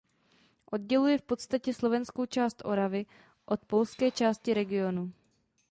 Odděluje v podstatě slovenskou část Oravy od polské části regionu.